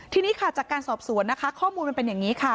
ที่นี่จากการสอบผมสวนข้อมูลมันเป็นอย่างนี้ค่ะ